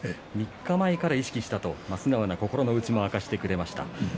３日前から意識したと素直な心の内も明かしてくれました。